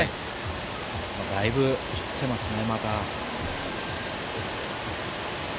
だいぶ、降ってますね。